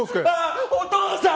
お父さん！